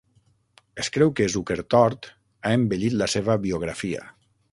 Es creu que Zukertort ha embellit la seva biografia.